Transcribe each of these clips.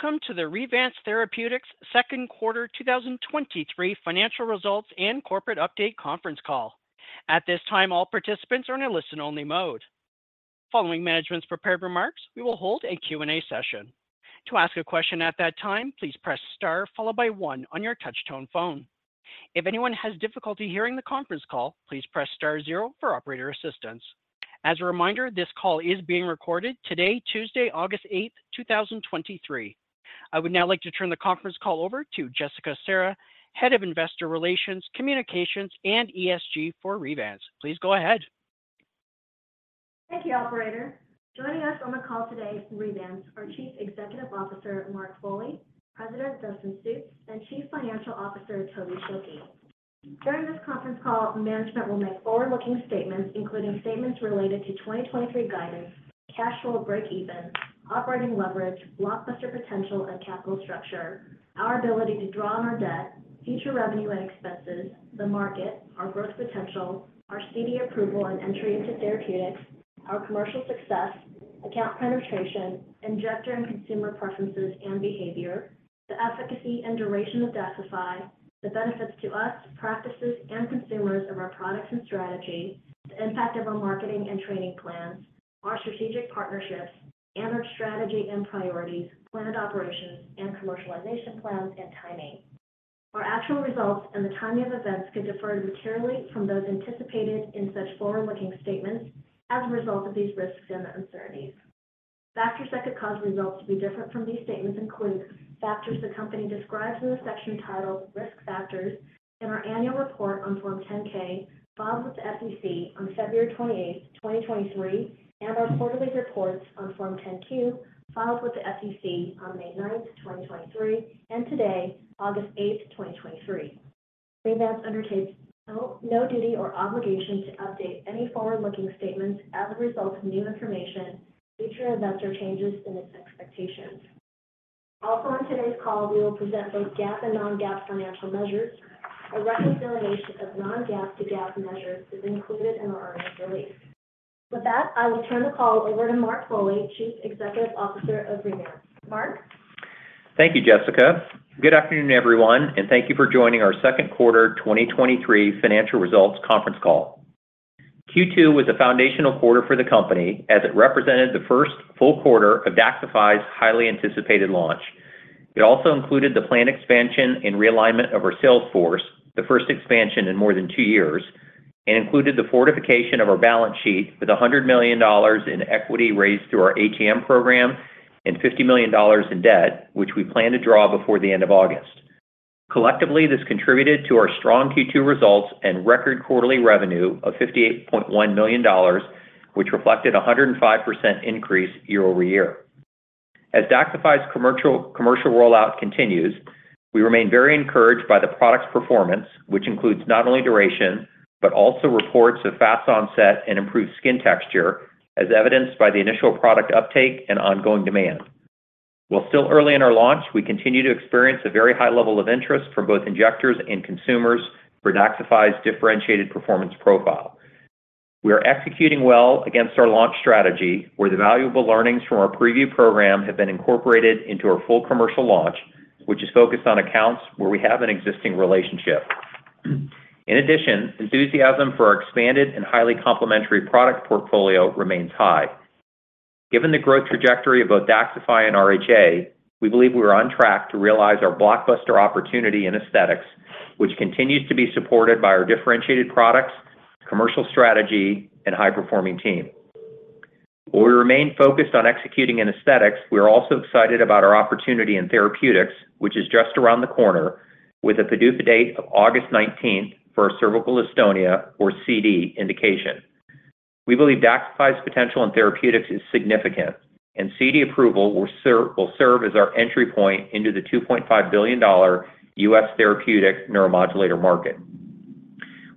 Welcome to the Revance Therapeutics Second Quarter 2023 Financial Results and Corporate Update Conference Call. At this time, all participants are in a listen-only mode. Following management's prepared remarks, we will hold a Q&A session. To ask a question at that time, please press star followed by one on your touchtone phone. If anyone has difficulty hearing the conference call, please press star zero for operator assistance. As a reminder, this call is being recorded today, Tuesday, August 8th, 2023. I would now like to turn the conference call over to Jessica Serra, Head of Investor Relations, Communications, and ESG for Revance. Please go ahead. Thank you, operator. Joining us on the call today from Revance are Chief Executive Officer, Mark Foley; President, Dustin Sjuts; and Chief Financial Officer, Toby Schilke. During this conference call, management will make forward-looking statements, including statements related to 2023 guidance, cash flow break even, operating leverage, blockbuster potential and capital structure, our ability to draw on our debt, future revenue and expenses, the market, our growth potential, our CD approval and entry into therapeutics, our commercial success, account penetration, injector and consumer preferences and behavior, the efficacy and duration of Daxxify, the benefits to us, practices, and consumers of our products and strategy, the impact of our marketing and training plans, our strategic partnerships, and our strategy and priorities, planned operations, and commercialization plans and timing. Our actual results and the timing of events could differ materially from those anticipated in such forward-looking statements as a result of these risks and uncertainties. Factors that could cause results to be different from these statements include factors the company describes in the section titled "Risk Factors" in our annual report on Form 10-K, filed with the SEC on February 28th, 2023, and our quarterly reports on Form 10-Q, filed with the SEC on May 9th, 2023, and today, August 8th, 2023. Revance undertakes no duty or obligation to update any forward-looking statements as a result of new information, future events, or changes in its expectations. On today's call, we will present both GAAP and non-GAAP financial measures. A reconciliation of non-GAAP to GAAP measures is included in our earnings release. With that, I will turn the call over to Mark Foley, Chief Executive Officer of Revance. Mark? Thank you, Jessica. Good afternoon, everyone, and thank you for joining our second quarter 2023 financial results conference call. Q2 was a foundational quarter for the company as it represented the first full quarter of Daxxify's highly anticipated launch. It also included the planned expansion and realignment of our sales force, the first expansion in more than 2 years, and included the fortification of our balance sheet with $100 million in equity raised through our ATM program and $50 million in debt, which we plan to draw before the end of August. Collectively, this contributed to our strong Q2 results and record quarterly revenue of $58.1 million, which reflected a 105% increase year-over-year. As Daxxify's commercial, commercial rollout continues, we remain very encouraged by the product's performance, which includes not only duration, but also reports of fast onset and improved skin texture, as evidenced by the initial product uptake and ongoing demand. While still early in our launch, we continue to experience a very high level of interest from both injectors and consumers for Daxxify's differentiated performance profile. We are executing well against our launch strategy, where the valuable learnings from our preview program have been incorporated into our full commercial launch, which is focused on accounts where we have an existing relationship. In addition, enthusiasm for our expanded and highly complementary product portfolio remains high. Given the growth trajectory of both Daxxify and RHA, we believe we are on track to realize our blockbuster opportunity in aesthetics, which continues to be supported by our differentiated products, commercial strategy, and high-performing team. While we remain focused on executing in aesthetics, we are also excited about our opportunity in therapeutics, which is just around the corner with a PDUFA date of August 19th for a cervical dystonia, or CD, indication. We believe Daxxify's potential in therapeutics is significant, and CD approval will serve as our entry point into the $2.5 billion US therapeutic neuromodulator market.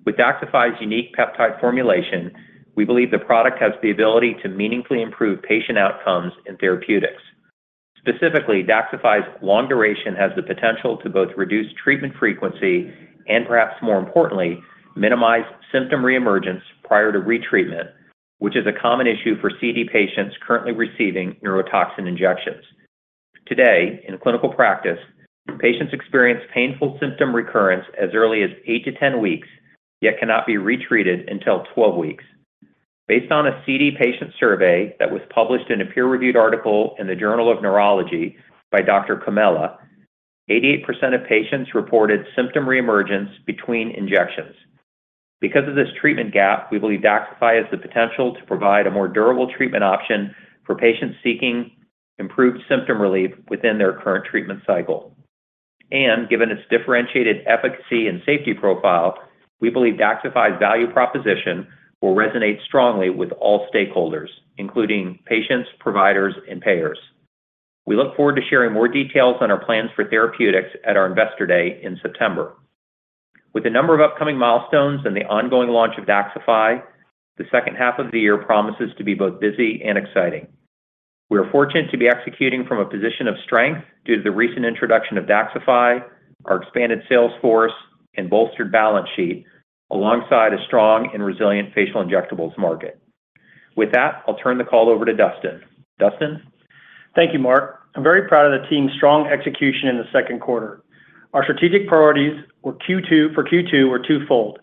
With Daxxify's unique peptide formulation, we believe the product has the ability to meaningfully improve patient outcomes in therapeutics. Specifically, Daxxify's long duration has the potential to both reduce treatment frequency and, perhaps more importantly, minimize symptom reemergence prior to retreatment, which is a common issue for CD patients currently receiving neurotoxin injections. Today, in clinical practice, patients experience painful symptom recurrence as early as 8-10 weeks, yet cannot be retreated until 12 weeks. Based on a CD patient survey that was published in a peer-reviewed article in the Journal of Neurology by Dr. Comella, 88% of patients reported symptom reemergence between injections. Because of this treatment gap, we believe Daxxify has the potential to provide a more durable treatment option for patients seeking improved symptom relief within their current treatment cycle. Given its differentiated efficacy and safety profile, we believe Daxxify's value proposition will resonate strongly with all stakeholders, including patients, providers, and payers. We look forward to sharing more details on our plans for therapeutics at our Investor Day in September. With a number of upcoming milestones and the ongoing launch of Daxxify, the second half of the year promises to be both busy and exciting. We are fortunate to be executing from a position of strength due to the recent introduction of Daxxify, our expanded sales force, and bolstered balance sheet, alongside a strong and resilient facial injectables market... With that, I'll turn the call over to Dustin. Dustin? Thank you, Mark. I'm very proud of the team's strong execution in the second quarter. Our strategic priorities for Q2 were twofold.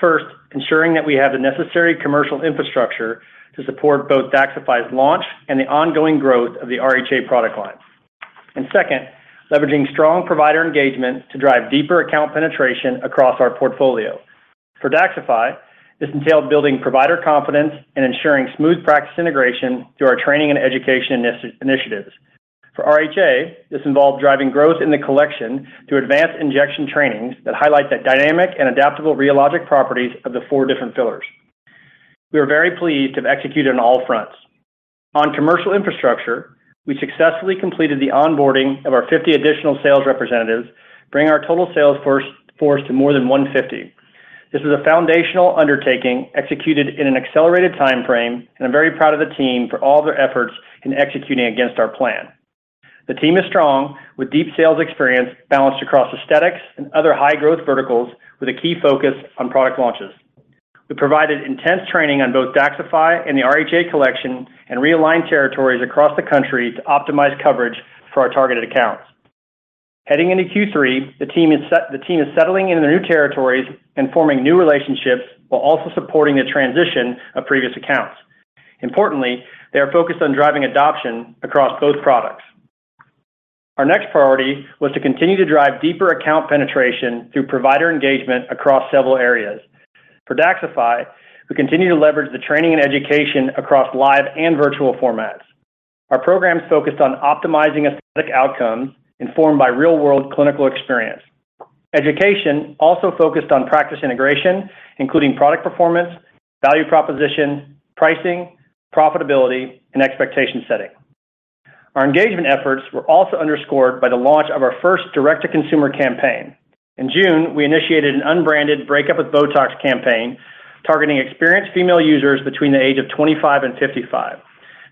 First, ensuring that we have the necessary commercial infrastructure to support both Daxxify's launch and the ongoing growth of the RHA product line. Second, leveraging strong provider engagement to drive deeper account penetration across our portfolio. For Daxxify, this entailed building provider confidence and ensuring smooth practice integration through our training and education initiatives. For RHA, this involved driving growth in the collection through advanced injection trainings that highlight the dynamic and adaptable rheologic properties of the four different fillers. We are very pleased to have executed on all fronts. On commercial infrastructure, we successfully completed the onboarding of our 50 additional sales representatives, bringing our total sales force to more than 150. This was a foundational undertaking executed in an accelerated timeframe, and I'm very proud of the team for all their efforts in executing against our plan. The team is strong, with deep sales experience balanced across aesthetics and other high-growth verticals, with a key focus on product launches. We provided intense training on both Daxxify and the RHA Collection and realigned territories across the country to optimize coverage for our targeted accounts. Heading into Q3, the team is settling into their new territories and forming new relationships, while also supporting the transition of previous accounts. Importantly, they are focused on driving adoption across both products. Our next priority was to continue to drive deeper account penetration through provider engagement across several areas. For Daxxify, we continue to leverage the training and education across live and virtual formats. Our programs focused on optimizing aesthetic outcomes informed by real-world clinical experience. Education also focused on practice integration, including product performance, value proposition, pricing, profitability, and expectation setting. Our engagement efforts were also underscored by the launch of our first direct-to-consumer campaign. In June, we initiated an unbranded Break Up With Botox campaign, targeting experienced female users between the age of 25 and 55.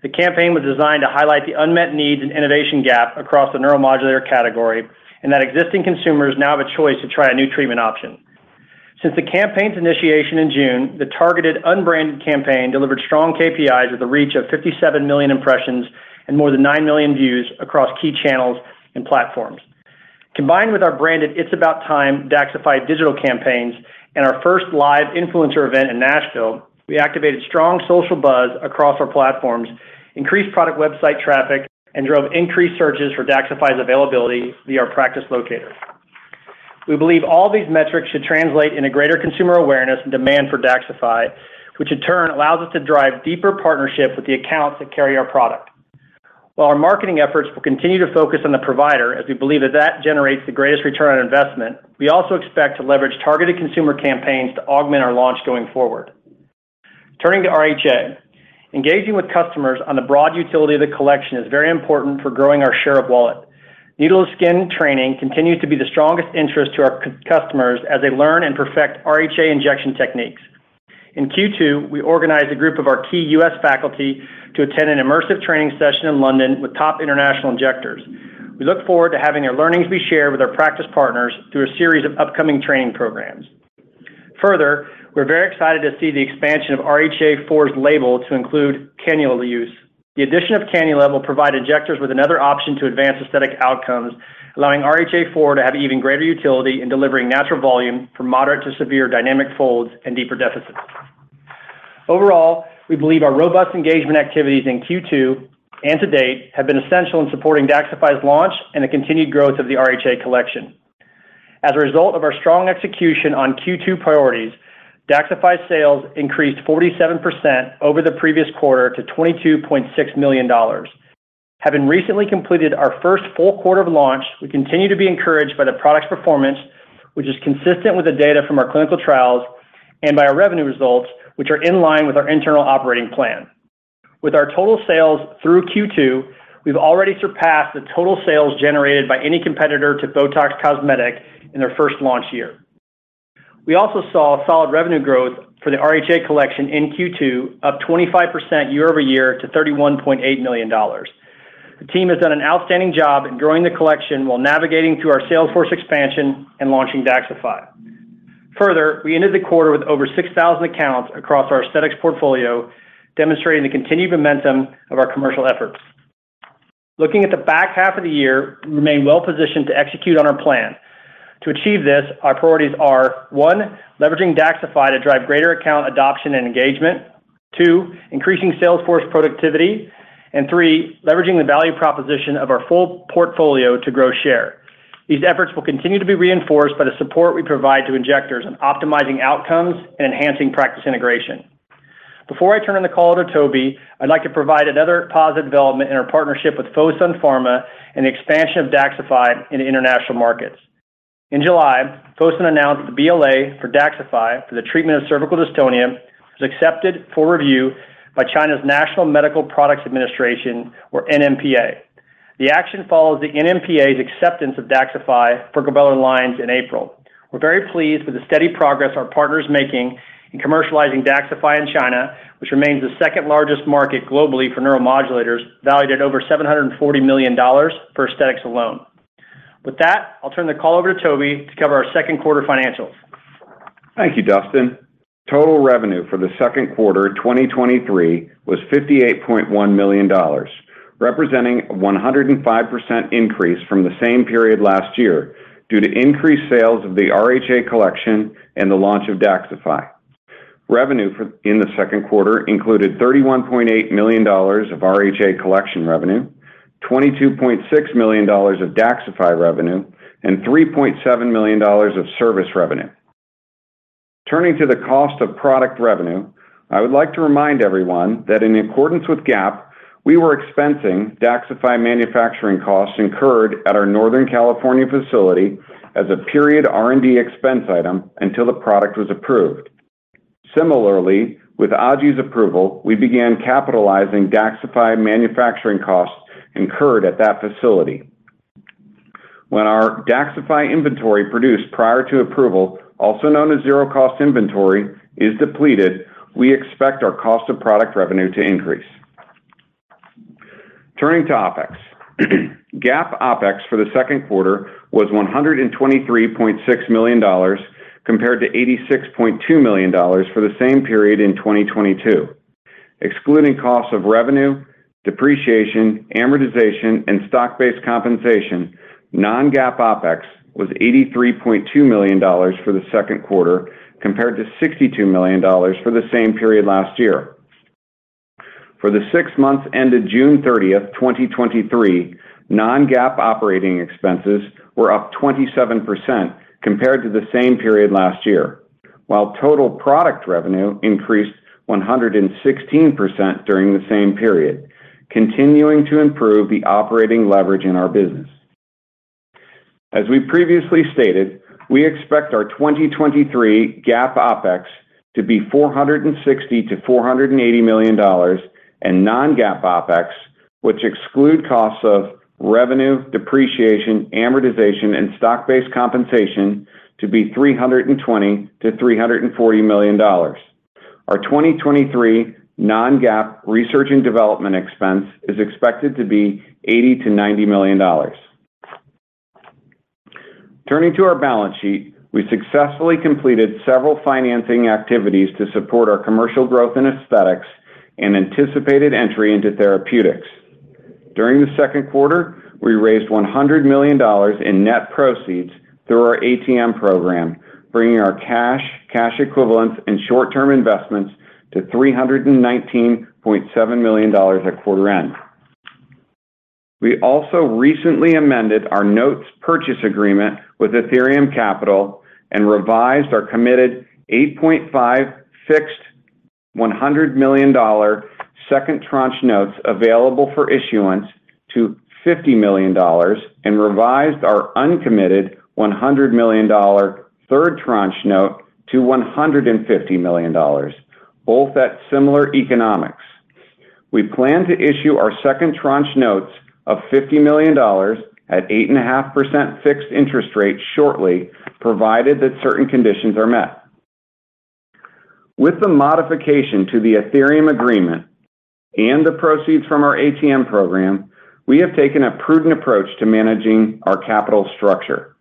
The campaign was designed to highlight the unmet needs and innovation gap across the neuromodulator category, and that existing consumers now have a choice to try a new treatment option. Since the campaign's initiation in June, the targeted unbranded campaign delivered strong KPIs with a reach of 57 million impressions and more than 9 million views across key channels and platforms. Combined with our branded It's About Time Daxxify digital campaigns and our first live influencer event in Nashville, we activated strong social buzz across our platforms, increased product website traffic, and drove increased searches for Daxxify's availability via our practice locator. We believe all these metrics should translate into greater consumer awareness and demand for Daxxify, which in turn allows us to drive deeper partnerships with the accounts that carry our product. While our marketing efforts will continue to focus on the provider, as we believe that that generates the greatest return on investment, we also expect to leverage targeted consumer campaigns to augment our launch going forward. Turning to RHA, engaging with customers on the broad utility of the collection is very important for growing our share of wallet. Anatomy continues to be the strongest interest to our customers as they learn and perfect RHA injection techniques. In Q2, we organized a group of our key U.S. faculty to attend an immersive training session in London with top international injectors. We look forward to having their learnings be shared with our practice partners through a series of upcoming training programs. Further, we're very excited to see the expansion of RHA 4's label to include cannula use. The addition of cannula will provide injectors with another option to advance aesthetic outcomes, allowing RHA 4 to have even greater utility in delivering natural volume from moderate to severe dynamic folds and deeper deficits. Overall, we believe our robust engagement activities in Q2 and to date have been essential in supporting Daxxify's launch and the continued growth of the RHA Collection. As a result of our strong execution on Q2 priorities, Daxxify's sales increased 47% over the previous quarter to $22.6 million. Having recently completed our first full quarter of launch, we continue to be encouraged by the product's performance, which is consistent with the data from our clinical trials and by our revenue results, which are in line with our internal operating plan. With our total sales through Q2, we've already surpassed the total sales generated by any competitor to Botox Cosmetic in their first launch year. We also saw a solid revenue growth for the RHA Collection in Q2, up 25% year-over-year to $31.8 million. The team has done an outstanding job in growing the collection while navigating through our sales force expansion and launching Daxxify. Further, we ended the quarter with over 6,000 accounts across our aesthetics portfolio, demonstrating the continued momentum of our commercial efforts. Looking at the back half of the year, we remain well positioned to execute on our plan. To achieve this, our priorities are, 1, leveraging Daxxify to drive greater account adoption and engagement. 2, increasing sales force productivity. 3, leveraging the value proposition of our full portfolio to grow share. These efforts will continue to be reinforced by the support we provide to injectors in optimizing outcomes and enhancing practice integration. Before I turn the call over to Toby, I'd like to provide another positive development in our partnership with Fosun Pharma and the expansion of Daxxify in international markets. In July, Fosun announced the BLA for Daxxify for the treatment of cervical dystonia was accepted for review by China's National Medical Products Administration, or NMPA. The action follows the NMPA's acceptance of Daxxify for glabellar lines in April. We're very pleased with the steady progress our partner is making in commercializing Daxxify in China, which remains the second-largest market globally for neuromodulators, valued at over $740 million for aesthetics alone. With that, I'll turn the call over to Toby to cover our second quarter financials. Thank you, Dustin. Total revenue for the second quarter, 2023 was $58.1 million, representing 105% increase from the same period last year, due to increased sales of the RHA Collection and the launch of Daxxify. Revenue in the second quarter included $31.8 million of RHA Collection revenue, $22.6 million of Daxxify revenue, and $3.7 million of service revenue. Turning to the cost of product revenue, I would like to remind everyone that in accordance with GAAP, we were expensing Daxxify manufacturing costs incurred at our Northern California facility as a period R&D expense item until the product was approved. Similarly, with GL's approval, we began capitalizing Daxxify manufacturing costs incurred at that facility. When our Daxxify inventory produced prior to approval, also known as zero-cost inventory, is depleted, we expect our cost of product revenue to increase. Turning to OpEx. GAAP OpEx for the second quarter was $123.6 million, compared to $86.2 million for the same period in 2022. Excluding costs of revenue, depreciation, amortization, and stock-based compensation, non-GAAP OpEx was $83.2 million for the second quarter, compared to $62 million for the same period last year. For the six months ended June 30th, 2023, non-GAAP operating expenses were up 27% compared to the same period last year, while total product revenue increased 116% during the same period, continuing to improve the operating leverage in our business. As we previously stated, we expect our 2023 GAAP OpEx to be $460 million-$480 million, and non-GAAP OpEx, which exclude costs of revenue, depreciation, amortization, and stock-based compensation, to be $320 million-$340 million. Our 2023 non-GAAP research and development expense is expected to be $80 million-$90 million. Turning to our balance sheet, we successfully completed several financing activities to support our commercial growth in aesthetics and anticipated entry into therapeutics. During the second quarter, we raised $100 million in net proceeds through our ATM program, bringing our cash, cash equivalents, and short-term investments to $319.7 million at quarter end. We also recently amended our notes purchase agreement with Athyrium Capital and revised our committed 8.5% fixed $100 million second tranche notes available for issuance to $50 million, and revised our uncommitted $100 million third tranche note to $150 million, both at similar economics. We plan to issue our second tranche notes of $50 million at 8.5% fixed interest rate shortly, provided that certain conditions are met. With the modification to the Athyrium agreement and the proceeds from our ATM program, we have taken a prudent approach to managing our capital structure.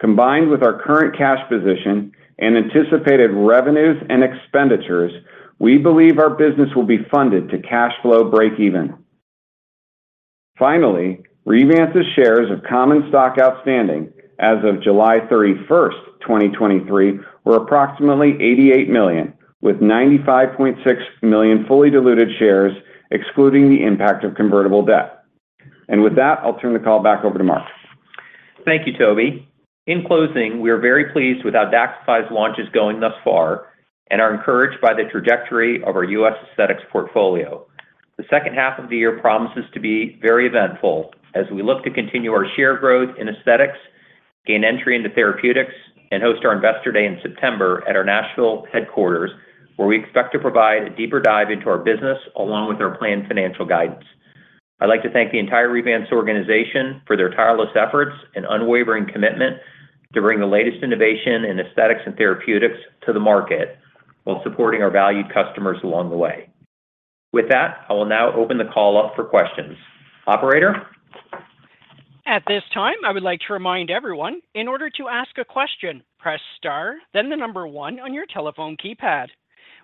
Combined with our current cash position and anticipated revenues and expenditures, we believe our business will be funded to cash flow breakeven. Finally, Revance's shares of common stock outstanding as of July 31, 2023, were approximately 88 million, with 95.6 million fully diluted shares, excluding the impact of convertible debt. With that, I'll turn the call back over to Mark. Thank you, Toby. In closing, we are very pleased with how Daxxify's launch is going thus far and are encouraged by the trajectory of our U.S. aesthetics portfolio. The second half of the year promises to be very eventful as we look to continue our share growth in aesthetics, gain entry into therapeutics, and host our Investor Day in September at our Nashville headquarters, where we expect to provide a deeper dive into our business, along with our planned financial guidance. I'd like to thank the entire Revance organization for their tireless efforts and unwavering commitment to bring the latest innovation in aesthetics and therapeutics to the market, while supporting our valued customers along the way. With that, I will now open the call up for questions. Operator? At this time, I would like to remind everyone, in order to ask a question, press star, then the number one on your telephone keypad.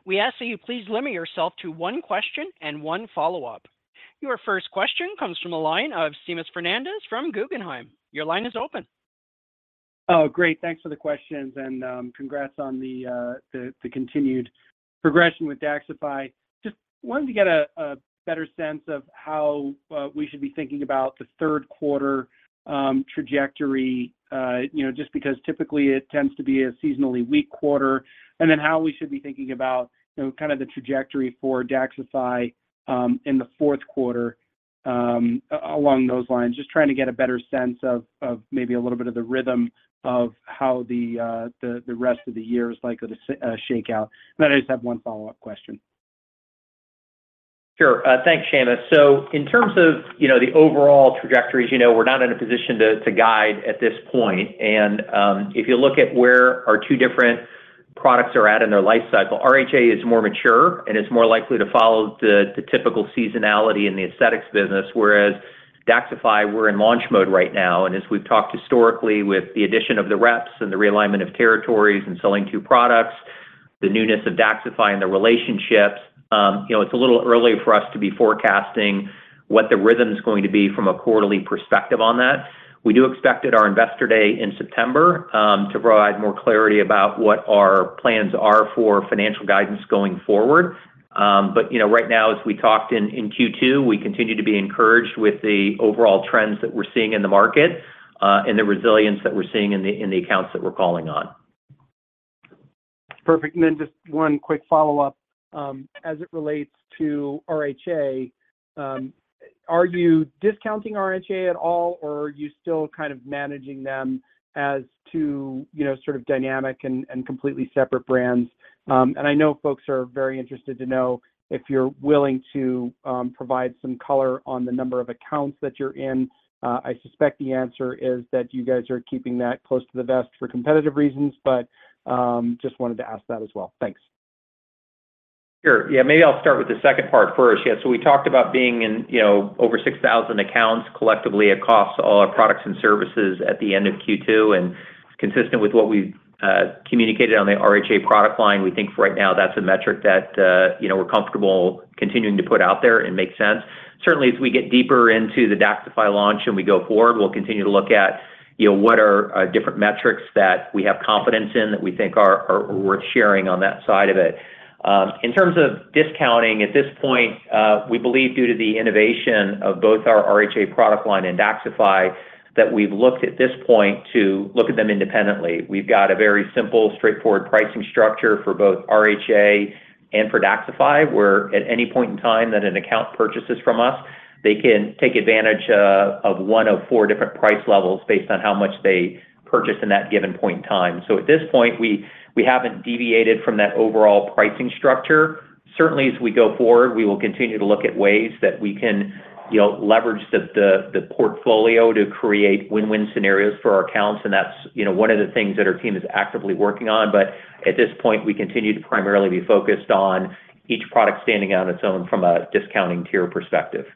We ask that you please limit yourself to 1 question and 1 follow-up. Your first question comes from the line of Seamus Fernandez from Guggenheim. Your line is open. Oh, great. Thanks for the questions and, congrats on the continued progression with Daxxify. Just wanted to get a better sense of how we should be thinking about the third quarter trajectory, you know, just because typically it tends to be a seasonally weak quarter, and then how we should be thinking about, you know, kind of the trajectory for Daxxify in the fourth quarter along those lines. Just trying to get a better sense of maybe a little bit of the rhythm of how the rest of the year is likely to shake out. Then I just have one follow-up question. Sure. Thanks, Seamus. In terms of, you know, the overall trajectories, you know, we're not in a position to, to guide at this point. If you look at where our two different products are at in their life cycle. RHA is more mature and is more likely to follow the, the typical seasonality in the aesthetics business, whereas Daxxify, we're in launch mode right now. As we've talked historically with the addition of the reps and the realignment of territories and selling two products, the newness of Daxxify and the relationships, you know, it's a little early for us to be forecasting what the rhythm is going to be from a quarterly perspective on that. We do expect at our Investor Day in September to provide more clarity about what our plans are for financial guidance going forward. You know, right now, as we talked in, in Q2, we continue to be encouraged with the overall trends that we're seeing in the market, and the resilience that we're seeing in the, in the accounts that we're calling on. Perfect. Then just one quick follow-up, as it relates to RHA, are you discounting RHA at all, or are you still kind of managing them as to, you know, sort of dynamic and, and completely separate brands? I know folks are very interested to know if you're willing to provide some color on the number of accounts that you're in. I suspect the answer is that you guys are keeping that close to the vest for competitive reasons, but just wanted to ask that as well. Thanks. Sure. Yeah, maybe I'll start with the second part first. Yeah, so we talked about being in, you know, over 6,000 accounts collectively across all our products and services at the end of Q2, and consistent with what we've communicated on the RHA product line. We think for right now, that's a metric that, you know, we're comfortable continuing to put out there and make sense. Certainly, as we get deeper into the Daxxify launch and we go forward, we'll continue to look at, you know, what are different metrics that we have confidence in, that we think are, are worth sharing on that side of it. In terms of discounting, at this point, we believe due to the innovation of both our RHA product line and Daxxify, that we've looked at this point to look at them independently. We've got a very simple, straightforward pricing structure for both RHA and for Daxxify, where at any point in time that an account purchases from us, they can take advantage of one of 4 different price levels based on how much they purchase in that given point in time. At this point, we, we haven't deviated from that overall pricing structure. Certainly as we go forward, we will continue to look at ways that we can, you know, leverage the, the, the portfolio to create win-win scenarios for our accounts, and that's, you know, one of the things that our team is actively working on. At this point, we continue to primarily be focused on each product standing on its own from a discounting tier perspective.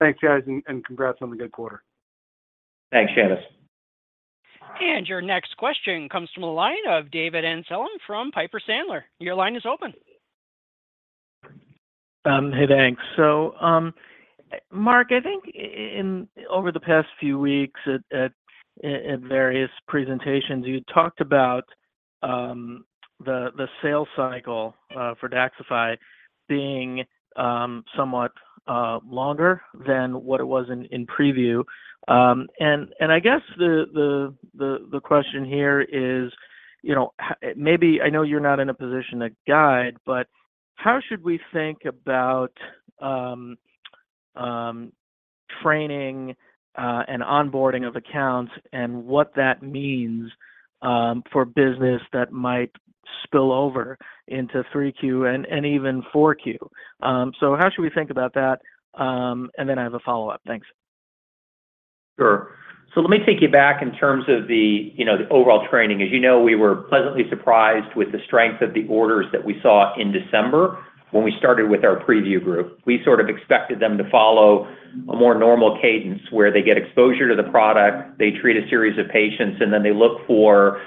Thanks, guys, and congrats on the good quarter. Thanks, Jessica Serra. Your next question comes from the line of David Amsellem from Piper Sandler. Your line is open. Hey, thanks. Mark, I think over the past few weeks at various presentations, you talked about the sales cycle for Daxxify being somewhat longer than what it was in preview. I guess the question here is, you know, maybe I know you're not in a position to guide, but how should we think about training and onboarding of accounts and what that means for business that might spill over into 3Q and even 4Q? How should we think about that? Then I have a follow-up. Thanks. Sure. Let me take you back in terms of the, you know, the overall training. As you know, we were pleasantly surprised with the strength of the orders that we saw in December when we started with our preview group. We sort of expected them to follow a more normal cadence, where they get exposure to the product, they treat a series of patients, and then they look for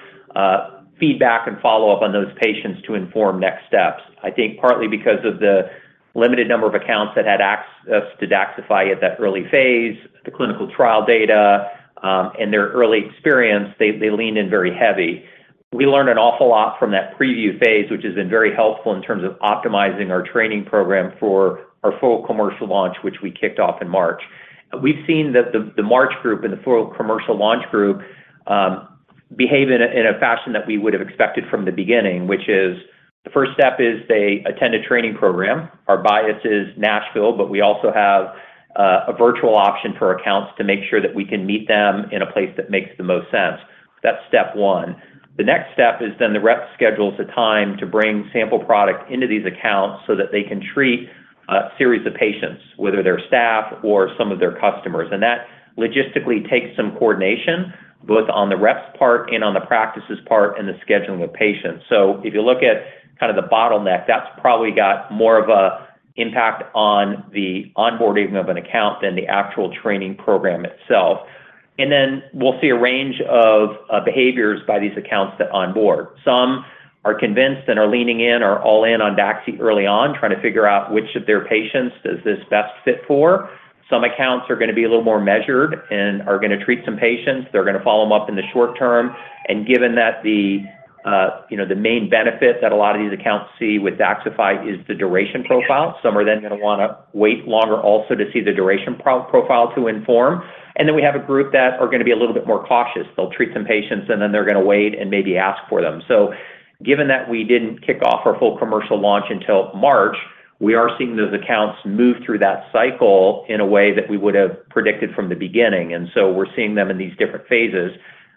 feedback and follow-up on those patients to inform next steps. I think partly because of the limited number of accounts that had to Daxxify at that early phase, the clinical trial data, and their early experience, they, they leaned in very heavy. We learned an awful lot from that preview phase, which has been very helpful in terms of optimizing our training program for our full commercial launch, which we kicked off in March. We've seen that the, the March group and the full commercial launch group, behave in a, in a fashion that we would have expected from the beginning, which is the first step is they attend a training program. Our bias is Nashville, but we also have a virtual option for accounts to make sure that we can meet them in a place that makes the most sense. That's step one. The next step is then the rep schedules a time to bring sample product into these accounts so that they can treat a series of patients, whether they're staff or some of their customers. That logistically takes some coordination, both on the reps part and on the practices part, and the scheduling of patients. If you look at kind of the bottleneck, that's probably got more of a impact on the onboarding of an account than the actual training program itself. Then we'll see a range of behaviors by these accounts that onboard. Some are convinced and are leaning in or all in on Daxi early on, trying to figure out which of their patients does this best fit for. Some accounts are gonna be a little more measured and are gonna treat some patients, they're gonna follow them up in the short term, and given that the, you know, the main benefit that a lot of these accounts see with Daxxify is the duration profile. Some are then gonna wanna wait longer also to see the duration profile to inform. Then we have a group that are gonna be a little bit more cautious. They'll treat some patients, and then they're gonna wait and maybe ask for them. Given that we didn't kick off our full commercial launch until March, we are seeing those accounts move through that cycle in a way that we would have predicted from the beginning, and so we're seeing them in these different phases.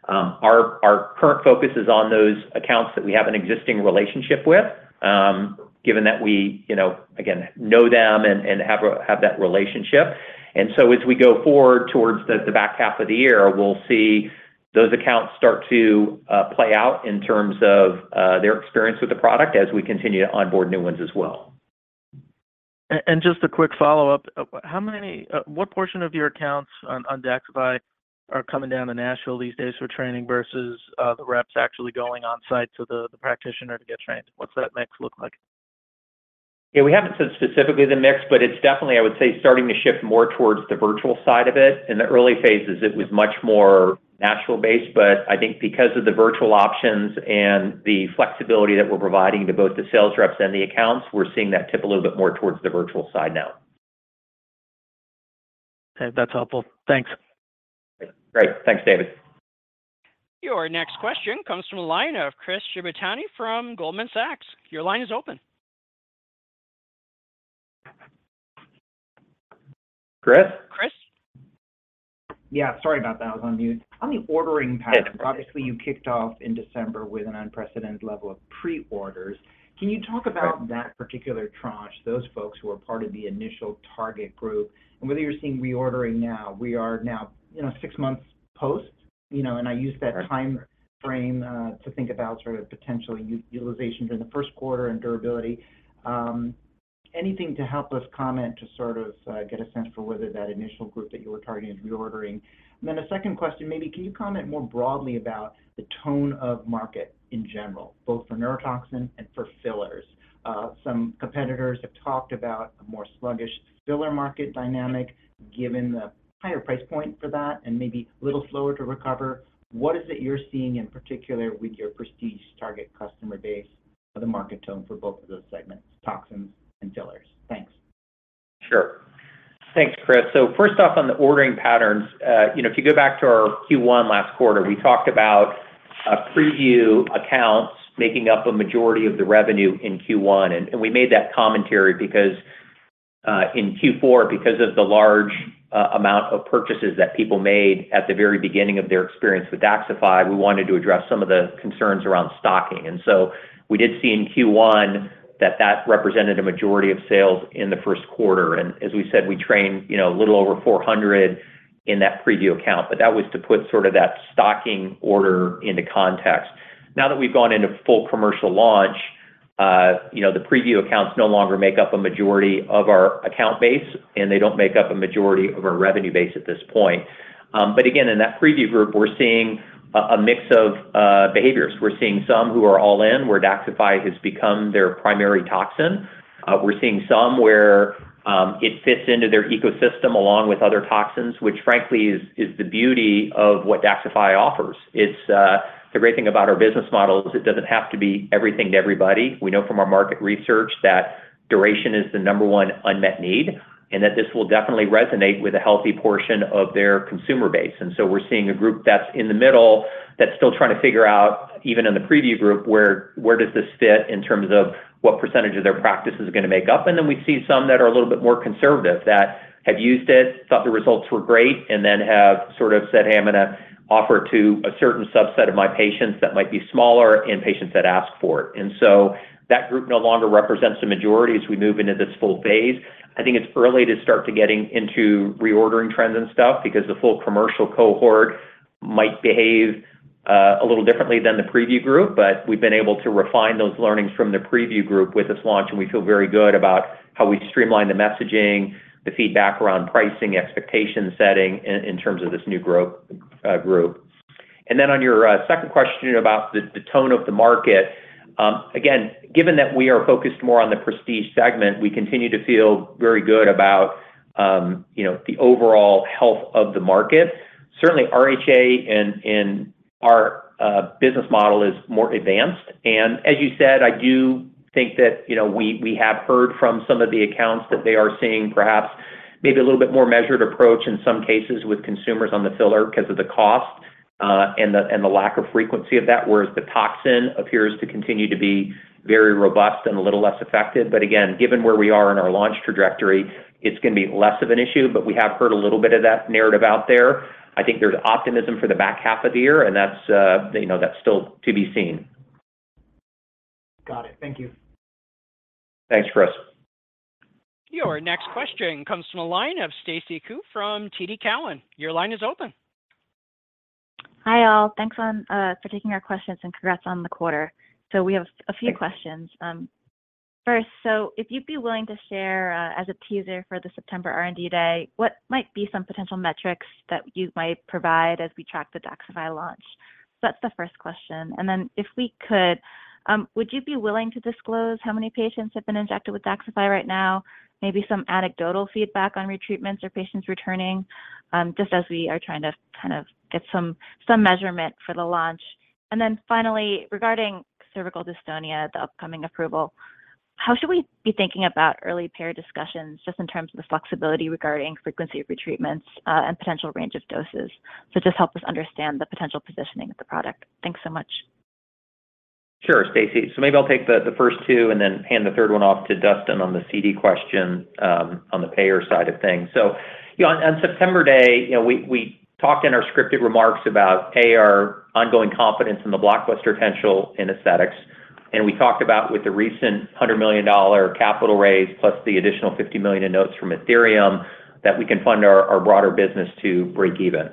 Our, our current focus is on those accounts that we have an existing relationship with, given that we, you know, again, know them and, and have, have that relationship. As we go forward towards the, the back half of the year, we'll see those accounts start to play out in terms of their experience with the product as we continue to onboard new ones as well. and just a quick follow-up. How many, what portion of your accounts on Daxxify are coming down to Nashville these days for training versus, the reps actually going on site to the, the practitioner to get trained? What's that mix look like? Yeah, we haven't said specifically the mix. It's definitely, I would say, starting to shift more towards the virtual side of it. In the early phases, it was much more Nashville-based. I think because of the virtual options and the flexibility that we're providing to both the sales reps and the accounts, we're seeing that tip a little bit more towards the virtual side now. Okay, that's helpful. Thanks. Great. Thanks, David. Your next question comes from the line of Chris Shibutani from Goldman Sachs. Your line is open. Chris? Chris? Yeah, sorry about that. I was on mute. On the ordering pattern- It's okay. Obviously, you kicked off in December with an unprecedented level of pre-orders. Can you talk about- Right... that particular tranche, those folks who are part of the initial target group, and whether you're seeing reordering now? We are now, you know, six months post, you know, and I use that- Right time frame to think about sort of potential utilization during the first quarter and durability. Anything to help us comment to sort of get a sense for whether that initial group that you were targeting is reordering? Then a second question, maybe can you comment more broadly about the tone of market in general, both for neurotoxin and for fillers? Some competitors have talked about a more sluggish filler market dynamic, given the higher price point for that and maybe a little slower to recover. What is it you're seeing in particular with your prestige target customer base of the market tone for both of those segments, toxins and fillers? Thanks. Sure. Thanks, Chris. First off, on the ordering patterns, you know, if you go back to our Q1 last quarter, we talked about preview accounts making up a majority of the revenue in Q1. We made that commentary because in Q4, because of the large amount of purchases that people made at the very beginning of their experience with Daxxify, we wanted to address some of the concerns around stocking. We did see in Q1 that that represented a majority of sales in the first quarter. As we said, we trained, you know, a little over 400 in that preview account, but that was to put sort of that stocking order into context. Now that we've gone into full commercial launch, you know, the preview accounts no longer make up a majority of our account base, and they don't make up a majority of our revenue base at this point. Again, in that preview group, we're seeing a, a mix of behaviors. We're seeing some who are all in, where Daxxify has become their primary toxin. We're seeing some where it fits into their ecosystem along with other toxins, which frankly is, is the beauty of what Daxxify offers. It's the great thing about our business model is it doesn't have to be everything to everybody. We know from our market research that duration is the number one unmet need, and that this will definitely resonate with a healthy portion of their consumer base. We're seeing a group that's in the middle that's still trying to figure out, even in the preview group, where, where does this fit in terms of what percentage of their practice is going to make up? Then we see some that are a little bit more conservative, that have used it, thought the results were great, and then have sort of said, "Hey, I'm gonna offer it to a certain subset of my patients that might be smaller and patients that ask for it." So that group no longer represents the majority as we move into this full phase. I think it's early to start to getting into reordering trends and stuff because the full commercial cohort might behave, a little differently than the preview group, but we've been able to refine those learnings from the preview group with this launch, and we feel very good about how we streamline the messaging, the feedback around pricing, expectation setting in, in terms of this new group. Then on your second question about the, the tone of the market, again, given that we are focused more on the prestige segment, we continue to feel very good about, you know, the overall health of the market. Certainly, RHA and, and our business model is more advanced. As you said, I do think that, you know, we, we have heard from some of the accounts that they are seeing perhaps maybe a little bit more measured approach in some cases with consumers on the filler because of the cost, and the lack of frequency of that, whereas the toxin appears to continue to be very robust and a little less effective. Again, given where we are in our launch trajectory, it's gonna be less of an issue, but we have heard a little bit of that narrative out there. I think there's optimism for the back half of the year, and that's, you know, that's still to be seen. Got it. Thank you. Thanks, Chris. Your next question comes from the line of Stacy Ku from TD Cowen. Your line is open. Hi, all. Thanks on for taking our questions and congrats on the quarter. We have a few questions. First, if you'd be willing to share, as a teaser for the September R&D Day, what might be some potential metrics that you might provide as we track the Daxxify launch? That's the first question. Then if we could, would you be willing to disclose how many patients have been injected with Daxxify right now? Maybe some anecdotal feedback on retreatments or patients returning, just as we are trying to kind of get some, some measurement for the launch. Then finally, regarding cervical dystonia, the upcoming approval, how should we be thinking about early payer discussions, just in terms of the flexibility regarding frequency of retreatments, and potential range of doses? Just help us understand the potential positioning of the product. Thanks so much. Sure, Stacy. Maybe I'll take the, the first 2 and then hand the third 1 off to Dustin on the CD question on the payer side of things. You know, on, on September Investor Day, you know, we, we talked in our scripted remarks about, A, our ongoing confidence in the blockbuster potential in aesthetics.... and we talked about with the recent $100 million capital raise, plus the additional $50 million in notes from Athyrium, that we can fund our, our broader business to break even.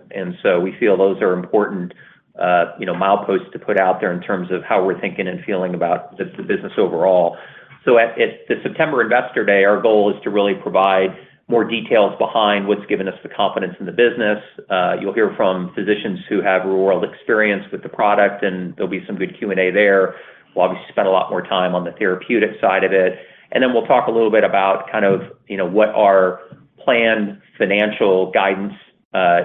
We feel those are important, you know, mileposts to put out there in terms of how we're thinking and feeling about just the business overall. At, at the September Investor Day, our goal is to really provide more details behind what's given us the confidence in the business. You'll hear from physicians who have real-world experience with the product, there'll be some good Q&A there. We'll obviously spend a lot more time on the therapeutic side of it. Then we'll talk a little bit about kind of, you know, what our planned financial guidance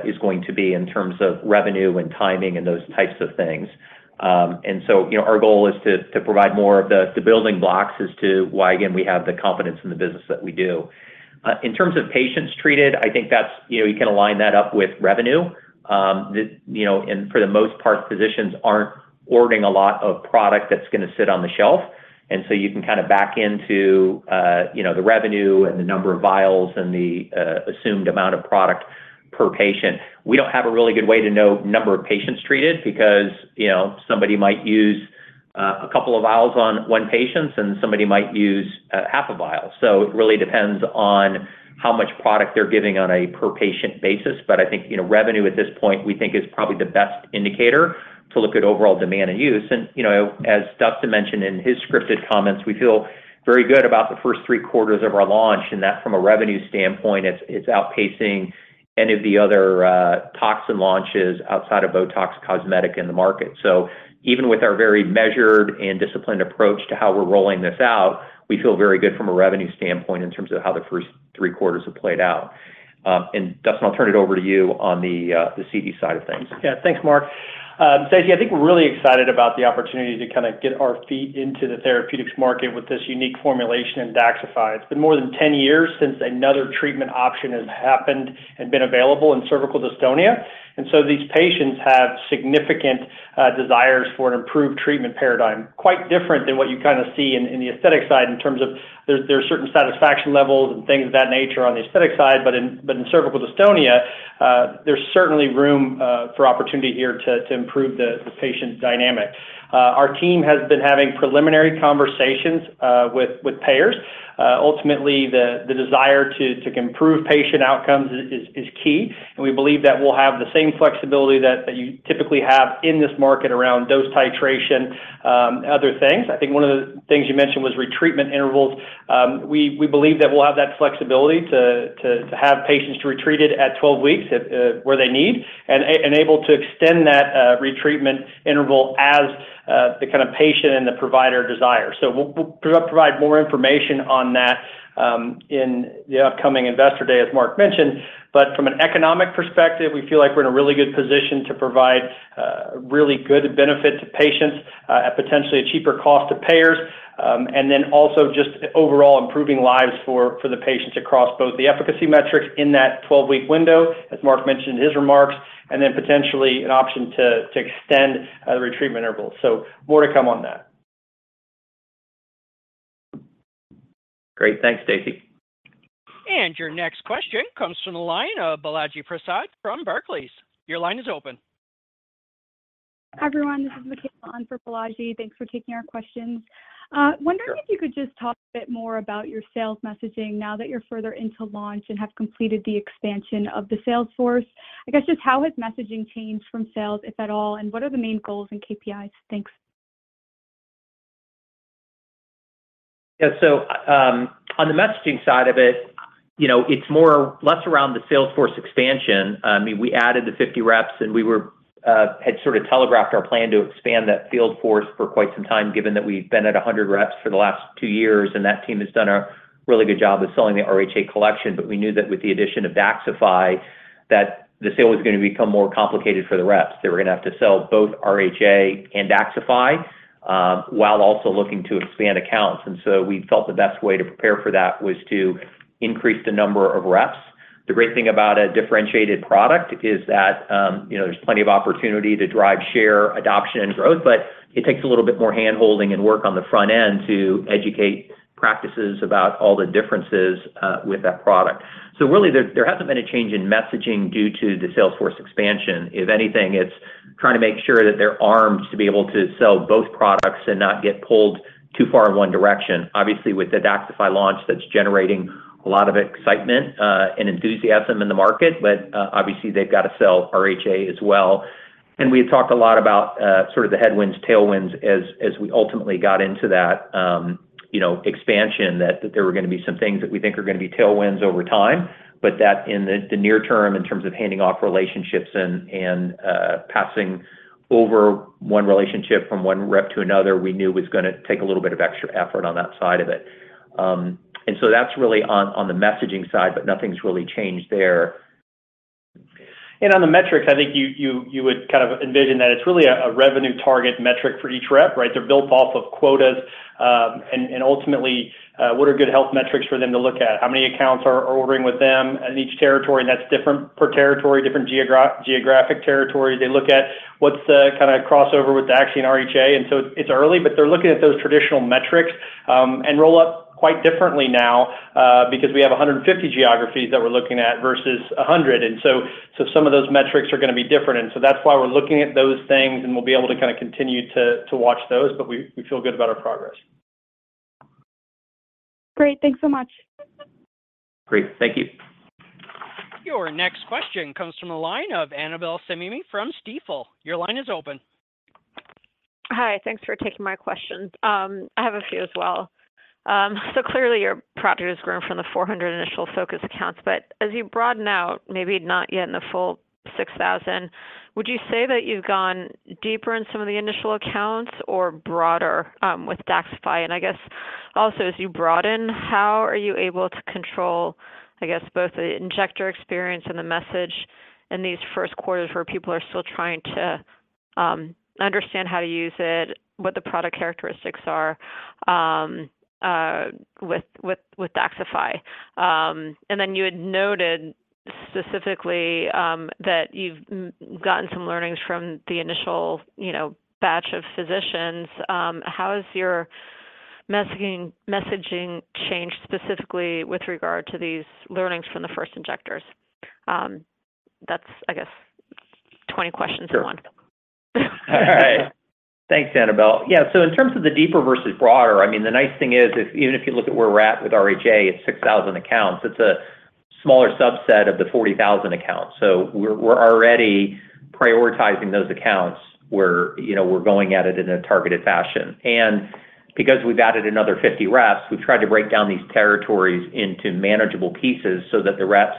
is going to be in terms of revenue and timing and those types of things. You know, our goal is to provide more of the building blocks as to why, again, we have the confidence in the business that we do. In terms of patients treated, I think that's. You know, you can align that up with revenue. You know, for the most part, physicians aren't ordering a lot of product that's gonna sit on the shelf. So you can kind of back into, you know, the revenue and the number of vials and the assumed amount of product per patient. We don't have a really good way to know number of patients treated because, you know, somebody might use a couple of vials on one patient, and somebody might use half a vial. It really depends on how much product they're giving on a per-patient basis. I think, you know, revenue at this point, we think is probably the best indicator to look at overall demand and use. You know, as Dustin mentioned in his scripted comments, we feel very good about the first three quarters of our launch, and that from a revenue standpoint, it's, it's outpacing any of the other toxin launches outside of Botox Cosmetic in the market. Even with our very measured and disciplined approach to how we're rolling this out, we feel very good from a revenue standpoint in terms of how the first three quarters have played out. Dustin, I'll turn it over to you on the, the CD side of things. Yeah. Thanks, Mark. Stacy, I think we're really excited about the opportunity to kind of get our feet into the therapeutics market with this unique formulation in Daxxify. It's been more than 10 years since another treatment option has happened and been available in cervical dystonia, so these patients have significant desires for an improved treatment paradigm. Quite different than what you kind of see in, in the aesthetic side in terms of there's, there are certain satisfaction levels and things of that nature on the aesthetic side, but in, but in cervical dystonia, there's certainly room for opportunity here to improve the patient dynamic. Our team has been having preliminary conversations with payers. Ultimately, the, the desire to, to improve patient outcomes is, is, is key, and we believe that we'll have the same flexibility that, that you typically have in this market around dose titration, other things. I think one of the things you mentioned was retreatment intervals. We, we believe that we'll have that flexibility to, to, to have patients retreated at 12 weeks if, where they need, and able to extend that retreatment interval as the kind of patient and the provider desire. We'll, we'll provide more information on that in the upcoming Investor Day, as Mark mentioned. From an economic perspective, we feel like we're in a really good position to provide really good benefit to patients at potentially a cheaper cost to payers. Also just overall improving lives for, for the patients across both the efficacy metrics in that 12-week window, as Mark mentioned in his remarks, and then potentially an option to, to extend the retreatment interval. More to come on that. Great. Thanks, Stacy. Your next question comes from the line of Balaji Prasad from Barclays. Your line is open. Hi, everyone. This is Michaela on for Balaji. Thanks for taking our questions. Sure. - if you could just talk a bit more about your sales messaging now that you're further into launch and have completed the expansion of the sales force? I guess just how has messaging changed from sales, if at all, and what are the main goals and KPIs? Thanks. Yeah. On the messaging side of it, you know, it's more or less around the sales force expansion. I mean, we added the 50 reps, and we were had sort of telegraphed our plan to expand that field force for quite some time, given that we've been at 100 reps for the last 2 years, and that team has done a really good job of selling the RHA Collection. We knew that with the addition of Daxxify, that the sale was gonna become more complicated for the reps. They were gonna have to sell both RHA and Daxxify, while also looking to expand accounts. We felt the best way to prepare for that was to increase the number of reps. The great thing about a differentiated product is that, you know, there's plenty of opportunity to drive share, adoption, and growth, but it takes a little bit more handholding and work on the front end to educate practices about all the differences with that product. Really, there, there hasn't been a change in messaging due to the sales force expansion. If anything, it's trying to make sure that they're armed to be able to sell both products and not get pulled too far in one direction. Obviously, with the Daxxify launch, that's generating a lot of excitement and enthusiasm in the market, but obviously, they've got to sell RHA as well. We had talked a lot about, sort of the headwinds, tailwinds as, as we ultimately got into that, you know, expansion, that, that there were gonna be some things that we think are gonna be tailwinds over time, but that in the, the near term, in terms of handing off relationships and, and, passing over one relationship from one rep to another, we knew was gonna take a little bit of extra effort on that side of it. That's really on, on the messaging side, but nothing's really changed there. On the metrics, I think you, you, you would kind of envision that it's really a, a revenue target metric for each rep, right? They're built off of quotas, and, and ultimately, what are good health metrics for them to look at? How many accounts are ordering with them in each territory? That's different per territory, different geographic territory. They look at what's the kind of crossover with Daxxify RHA. It's early, but they're looking at those traditional metrics, and roll up quite differently now, because we have 150 geographies that we're looking at versus 100. Some of those metrics are gonna be different, and so that's why we're looking at those things, and we'll be able to kind of continue to, to watch those, but we, we feel good about our progress. Great, thanks so much. Great, thank you. Your next question comes from the line of Annabel Samimy from Stifel. Your line is open. Hi, thanks for taking my questions. I have a few as well. Clearly, your product has grown from the 400 initial focus accounts, but as you broaden out, maybe not yet in the full 6,000, would you say that you've gone deeper in some of the initial accounts or broader with Daxxify? I guess also, as you broaden, how are you able to control, I guess, both the injector experience and the message in these first quarters where people are still trying to understand how to use it, what the product characteristics are with Daxxify. Then you had noted specifically that you've gotten some learnings from the initial, you know, batch of physicians. How has your messaging, messaging changed specifically with regard to these learnings from the first injectors? That's, I guess, 20 questions in one. All right. Thanks, Annabelle. In terms of the deeper versus broader, I mean, the nice thing is, if even if you look at where we're at with RHA, it's 6,000 accounts. It's a smaller subset of the 40,000 accounts. We're, we're already prioritizing those accounts, where, you know, we're going at it in a targeted fashion. Because we've added another 50 reps, we've tried to break down these territories into manageable pieces so that the reps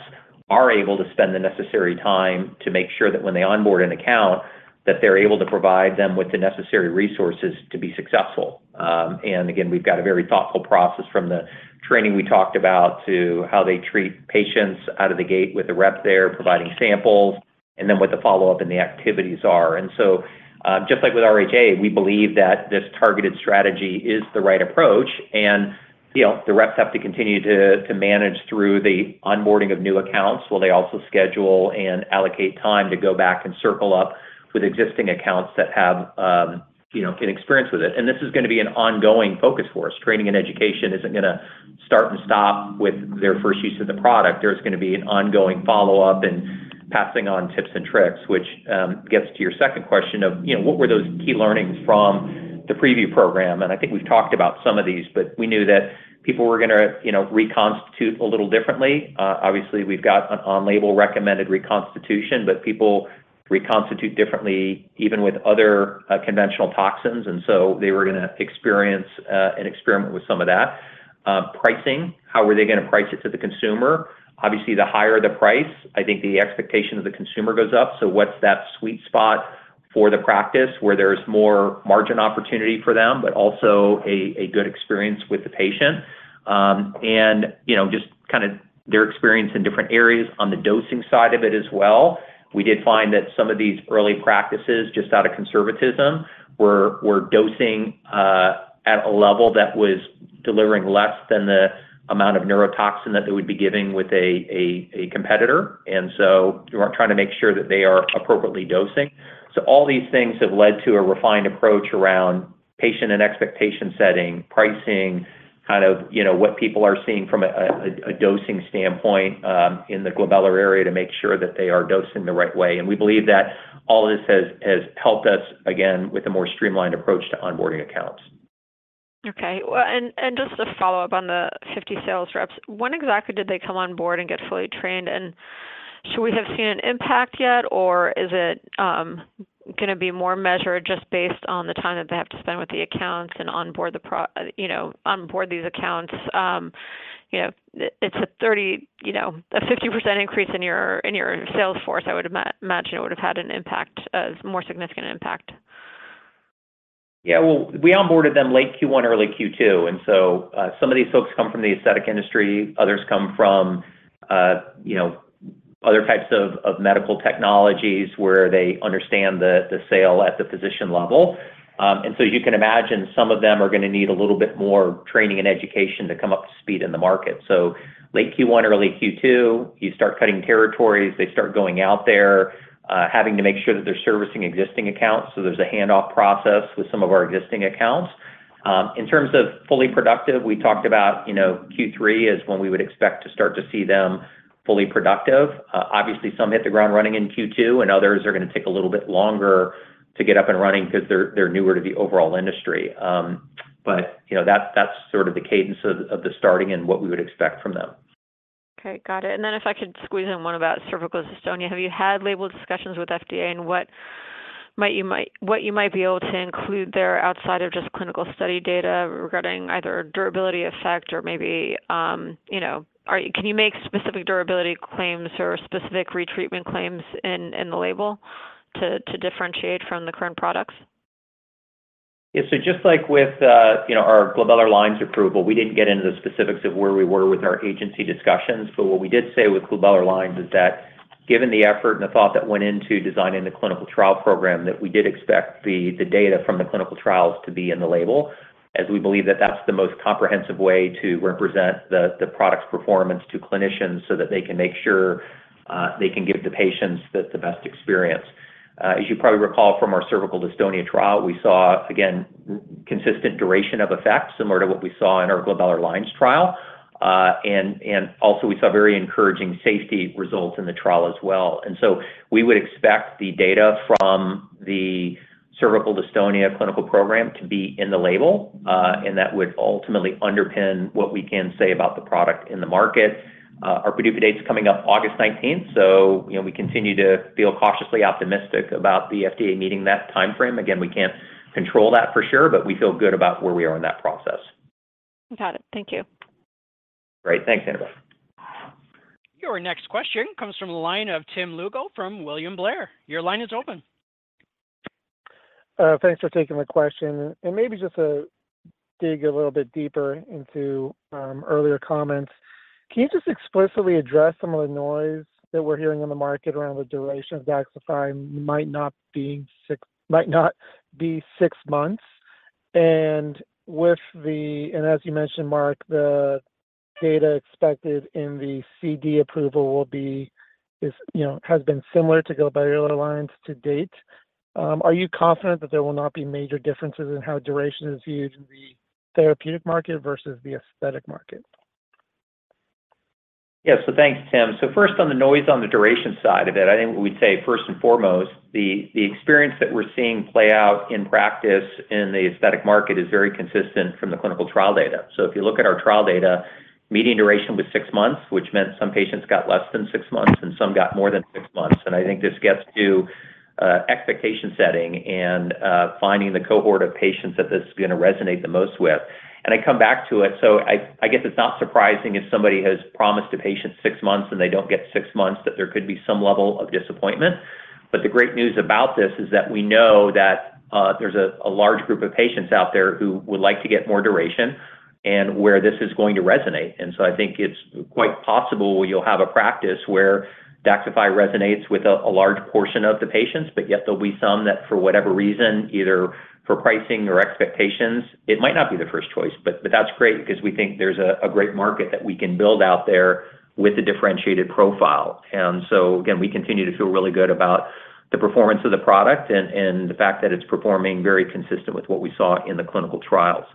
are able to spend the necessary time to make sure that when they onboard an account, that they're able to provide them with the necessary resources to be successful. Again, we've got a very thoughtful process from the training we talked about to how they treat patients out of the gate with the rep there, providing samples, and then what the follow-up and the activities are. Just like with RHA, we believe that this targeted strategy is the right approach, and, you know, the reps have to continue to manage through the onboarding of new accounts, while they also schedule and allocate time to go back and circle up with existing accounts that have, you know, an experience with it. This is gonna be an ongoing focus for us. Training and education isn't gonna start and stop with their first use of the product. There's gonna be an ongoing follow-up and passing on tips and tricks, which gets to your second question of, you know, what were those key learnings from the preview program? I think we've talked about some of these, but we knew that people were gonna, you know, reconstitute a little differently. Obviously, we've got an on-label recommended reconstitution, but people reconstitute differently, even with other conventional toxins, and so they were gonna experience and experiment with some of that. Pricing, how were they gonna price it to the consumer? Obviously, the higher the price, I think the expectation of the consumer goes up. What's that sweet spot for the practice where there's more margin opportunity for them, but also a good experience with the patient? And, you know, just kind of their experience in different areas on the dosing side of it as well. We did find that some of these early practices, just out of conservatism, were, were dosing at a level that was delivering less than the amount of neurotoxin that they would be giving with a, a, a competitor. We're trying to make sure that they are appropriately dosing. All these things have led to a refined approach around patient and expectation setting, pricing, kind of, you know, what people are seeing from a, a, a dosing standpoint in the glabellar area to make sure that they are dosing the right way. We believe that all this has, has helped us, again, with a more streamlined approach to onboarding accounts. Okay, well, and, and just a follow-up on the 50 sales reps, when exactly did they come on board and get fully trained? Should we have seen an impact yet, or is it gonna be more measured just based on the time that they have to spend with the accounts and onboard you know, onboard these accounts? You know, it's a you know, a 50% increase in your, in your sales force, I would imagine it would have had an impact, a more significant impact. Yeah, well, we onboarded them late Q1, early Q2, and so, some of these folks come from the aesthetic industry, others come from, you know, other types of, of medical technologies, where they understand the, the sale at the physician level. So you can imagine some of them are gonna need a little bit more training and education to come up to speed in the market. So late Q1, early Q2, you start cutting territories, they start going out there, having to make sure that they're servicing existing accounts, so there's a handoff process with some of our existing accounts. In terms of fully productive, we talked about, you know, Q3 is when we would expect to start to see them fully productive. Obviously, some hit the ground running in Q2, and others are gonna take a little bit longer to get up and running because they're, they're newer to the overall industry. You know, that's, that's sort of the cadence of, of the starting and what we would expect from them. Okay, got it. Then if I could squeeze in one about cervical dystonia, have you had label discussions with FDA? What you might be able to include there outside of just clinical study data regarding either durability effect or maybe, you know, can you make specific durability claims or specific retreatment claims in, in the label to, to differentiate from the current products? Yeah, just like with, you know, our glabellar lines approval, we didn't get into the specifics of where we were with our agency discussions. What we did say with glabellar lines is that given the effort and the thought that went into designing the clinical trial program, that we did expect the data from the clinical trials to be in the label, as we believe that that's the most comprehensive way to represent the product's performance to clinicians so that they can make sure they can give the patients the best experience. As you probably recall from our cervical dystonia trial, we saw, again, consistent duration of effect, similar to what we saw in our glabellar lines trial. And also we saw very encouraging safety results in the trial as well. We would expect the data from the cervical dystonia clinical program to be in the label, and that would ultimately underpin what we can say about the product in the market. Our PDUFA date is coming up August 19th. You know, we continue to feel cautiously optimistic about the FDA meeting that time frame. Again, we can't control that for sure, but we feel good about where we are in that process. Got it. Thank you. Great. Thanks, Annabelle. Your next question comes from the line of Tim Lugo from William Blair. Your line is open. Thanks for taking the question. Maybe just to dig a little bit deeper into earlier comments, can you just explicitly address some of the noise that we're hearing in the market around the duration of daxibotulinumtoxinA-lanm might not be 6 months? As you mentioned, Mark, the data expected in the CD approval will be, is, you know, has been similar to glabellar lines to date. Are you confident that there will not be major differences in how duration is used in the therapeutic market versus the aesthetic market? Thanks, Tim. First on the noise, on the duration side of it, I think we'd say first and foremost, the, the experience that we're seeing play out in practice in the aesthetic market is very consistent from the clinical trial data. If you look at our trial data, median duration was 6 months, which meant some patients got less than 6 months and some got more than 6 months. I think this gets to expectation setting and finding the cohort of patients that this is gonna resonate the most with. I come back to it. I, I guess it's not surprising if somebody has promised a patient 6 months and they don't get 6 months, that there could be some level of disappointment. The great news about this is that we know that there's a large group of patients out there who would like to get more duration and where this is going to resonate. I think it's quite possible you'll have a practice where daxibotulinumtoxinA-lanm resonates with a large portion of the patients, but yet there'll be some that for whatever reason, either for pricing or expectations, it might not be the first choice. But that's great because we think there's a great market that we can build out there with a differentiated profile. Again, we continue to feel really good about the performance of the product and the fact that it's performing very consistent with what we saw in the clinical trials.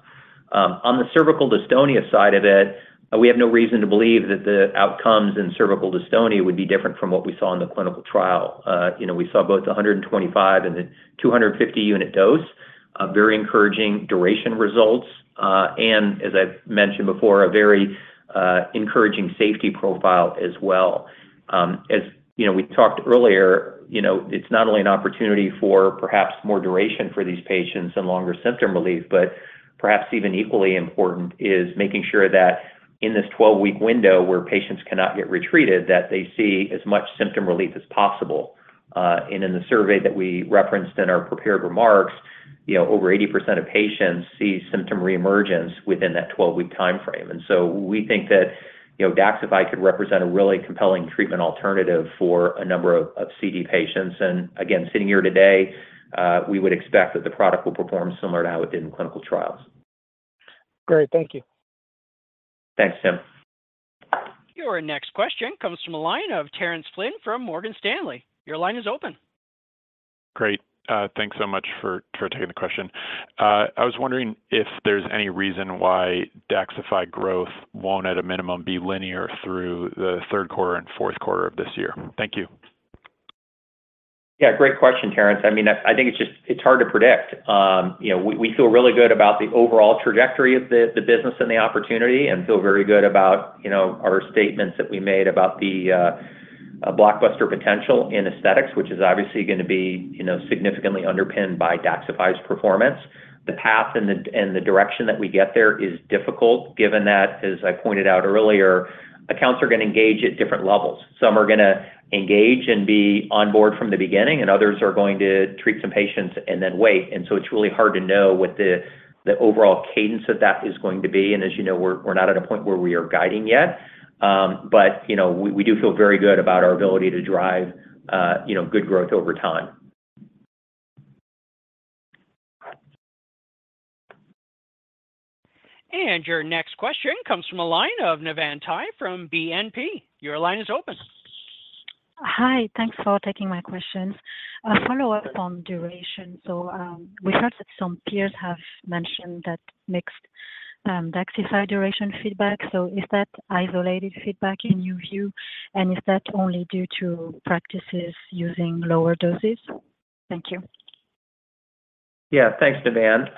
On the cervical dystonia side of it, we have no reason to believe that the outcomes in cervical dystonia would be different from what we saw in the clinical trial. You know, we saw both a 125 and the 250 unit dose, a very encouraging duration results, and as I've mentioned before, a very encouraging safety profile as well. As you know, we talked earlier, you know, it's not only an opportunity for perhaps more duration for these patients and longer symptom relief, but perhaps even equally important is making sure that in this 12-week window where patients cannot get retreated, that they see as much symptom relief as possible. In the survey that we referenced in our prepared remarks, you know, over 80% of patients see symptom reemergence within that 12-week time frame. We think that, you know, daxibotulinumtoxinA-lanm could represent a really compelling treatment alternative for a number of, of CD patients. Sitting here today, we would expect that the product will perform similar to how it did in clinical trials. Great. Thank you. Thanks, Tim. Your next question comes from the line of Terence Flynn from Morgan Stanley. Your line is open. Great. thanks so much for, for taking the question. I was wondering if there's any reason why daxibotulinumtoxinA-lanm growth won't at a minimum, be linear through the third quarter and fourth quarter of this year. Thank you. Yeah, great question, Terence. I mean, I think it's just, it's hard to predict. You know, we, we feel really good about the overall trajectory of the business and the opportunity, and feel very good about, you know, our statements that we made about the blockbuster potential in aesthetics, which is obviously going to be, you know, significantly underpinned by daxibotulinumtoxinA-lanm's performance. The path and the direction that we get there is difficult, given that, as I pointed out earlier, accounts are going to engage at different levels. Some are gonna engage and be on board from the beginning, and others are going to treat some patients and then wait. So it's really hard to know what the overall cadence of that is going to be. As you know, we're, we're not at a point where we are guiding yet, but, you know, we, we do feel very good about our ability to drive, you know, good growth over time. Your next question comes from a line of Navann Ty from BNP. Your line is open. Hi, thanks for taking my questions. A follow-up on duration. We heard that some peers have mentioned that mixed daxibotulinumtoxinA-lanm duration feedback. Is that isolated feedback in your view, and is that only due to practices using lower doses? Thank you. Yeah, thanks, Navann.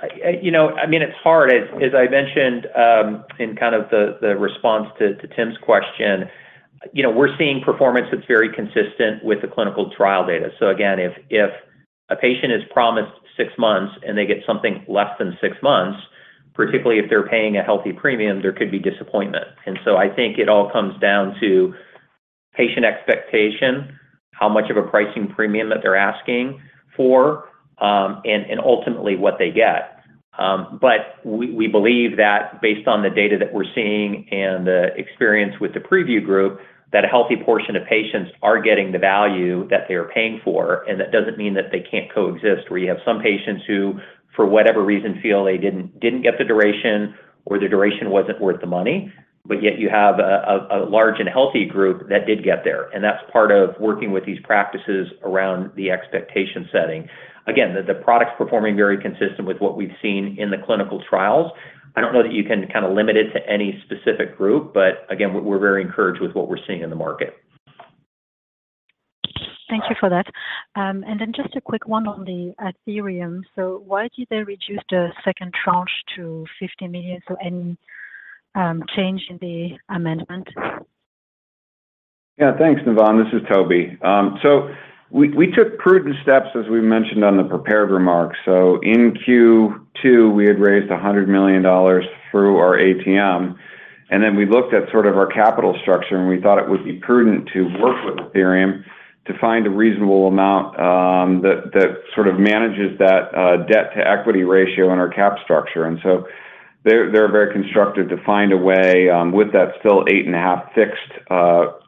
You know, I mean, it's hard. As, as I mentioned, in kind of the, the response to, to Tim's question, you know, we're seeing performance that's very consistent with the clinical trial data. So again, if, if a patient is promised six months and they get something less than six months, particularly if they're paying a healthy premium, there could be disappointment. So I think it all comes down to patient expectation, how much of a pricing premium that they're asking for, and, and ultimately, what they get. We, we believe that based on the data that we're seeing and the experience with the preview group, that a healthy portion of patients are getting the value that they are paying for, and that doesn't mean that they can't coexist. Where you have some patients who, for whatever reason, feel they didn't, didn't get the duration or the duration wasn't worth the money. Yet you have a, a, a large and healthy group that did get there. That's part of working with these practices around the expectation setting. Again, the, the product's performing very consistent with what we've seen in the clinical trials. I don't know that you can kind of limit it to any specific group. Again, we're, we're very encouraged with what we're seeing in the market. Thank you for that. Just a quick one on the Athyrium. Why did they reduce the second tranche to $50 million? Any change in the amendment? Yeah, thanks, Navann. This is Toby. we, we took prudent steps, as we mentioned on the prepared remarks. In Q2, we had raised $100 million through our ATM, and then we looked at sort of our capital structure, and we thought it would be prudent to work with Athyrium to find a reasonable amount that, that sort of manages that debt to equity ratio in our cap structure. They're, they're very constructive to find a way with that still 8.5 fixed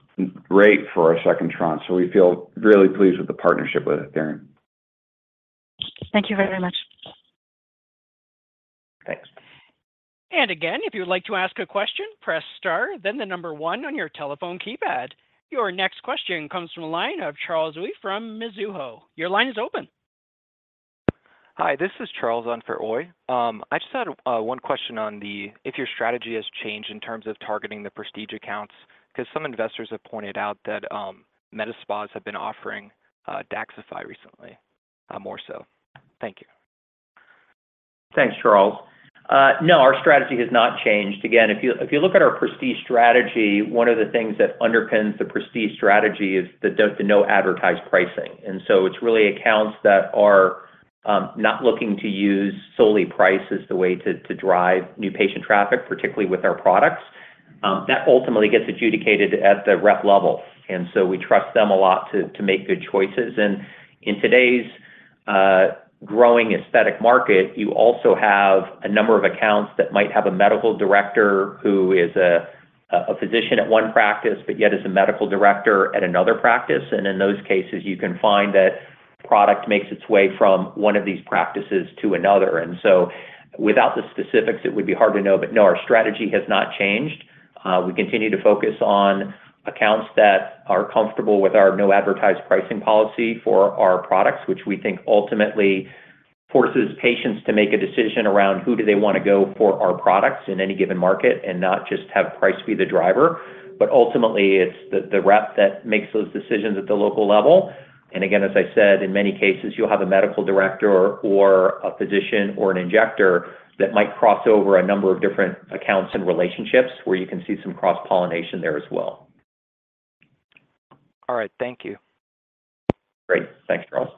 rate for our second tranche. We feel really pleased with the partnership with Athyrium. Thank you very much. Thanks. Again, if you'd like to ask a question, press Star, then the number one on your telephone keypad. Your next question comes from the line of Charles Li from Mizuho. Your line is open. Hi, this is Charles Li. I just had 1 question on the... If your strategy has changed in terms of targeting the prestige accounts, because some investors have pointed out that med spas have been offering Daxxify recently, more so? Thank you. Thanks, Charles. No, our strategy has not changed. Again, if you, if you look at our prestige strategy, one of the things that underpins the prestige strategy is the the no advertised pricing. It's really accounts that are not looking to use solely price as the way to, to drive new patient traffic, particularly with our products. That ultimately gets adjudicated at the rep level, and so we trust them a lot to, to make good choices. In today's growing aesthetic market, you also have a number of accounts that might have a medical director who is a physician at one practice, but yet is a medical director at another practice. In those cases, you can find that product makes its way from one of these practices to another. Without the specifics, it would be hard to know, but no, our strategy has not changed. We continue to focus on accounts that are comfortable with our no advertised pricing policy for our products, which we think ultimately forces patients to make a decision around who do they wanna go for our products in any given market, and not just have price be the driver. Ultimately, it's the, the rep that makes those decisions at the local level. Again, as I said, in many cases, you'll have a medical director or a physician or an injector that might cross over a number of different accounts and relationships, where you can see some cross-pollination there as well. All right. Thank you. Great. Thanks, Charles.